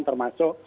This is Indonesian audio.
terima kasih pak